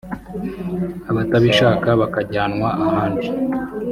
abatabishaka bakajyanwa ahandi